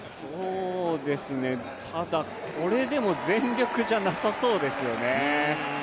ただこれでも全力じゃなさそうですよね。